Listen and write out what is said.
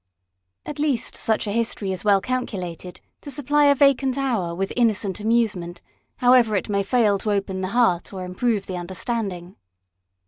At least such a history is well calculated to supply a vacant hour with innocent amusement, however it may fail to open the heart, or improve the understanding.